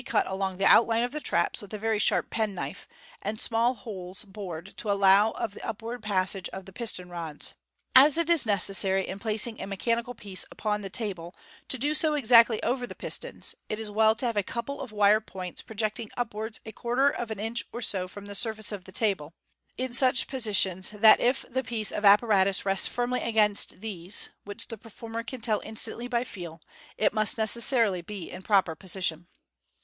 cut along the outline of the traps with a very sharp penknife, and small holes bored to allow of the upward pas sage of the piston rods. As it is necessary in placing a mechanical piece upon the table, to do so exactly over the pistons, it is well to have a couple of wire points projecting upwards a quarter of an inch or so from the surface of the table, in such positions that it the piece of apparatus rests firmly against these (which the per^ former can tell instantly by feel) it must necessarily be in proper position.